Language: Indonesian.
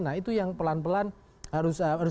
nah itu yang pelan pelan harus